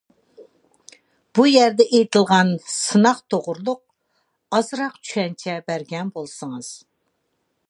بۇ يەردە ئېيتىلغان «سىناق» توغرىلىق ئازراق چۈشەنچە بەرگەن بولسىڭىز.